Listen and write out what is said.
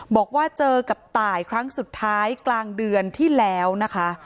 บอกว่าเจอกับตายครั้งสุดท้ายกลางเดือนที่แล้วนะคะ